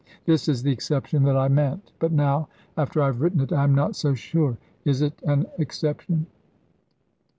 This is the exception that I meant, but now, after I have written it, I am not so sure. Is it an exception?